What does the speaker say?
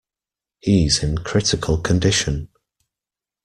He's in critical condition.